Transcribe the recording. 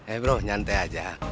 eh bro santai aja